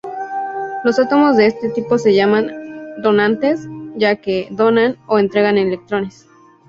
Los átomos de este tipo se llaman "donantes" ya que "donan" o entregan electrones.